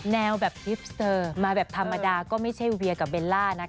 แนวแบบทริปสเตอร์มาแบบธรรมดาก็ไม่ใช่เวียกับเบลล่านะคะ